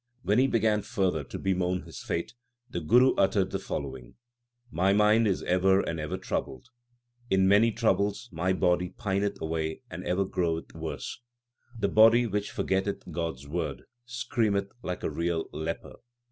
When he began further to bemoan his fate, the Guru uttered the following : My mind is ever and ever troubled. In many troubles my body pineth away and ever groweth worse. The body which forgetteth God s word, Screameth like a real leper.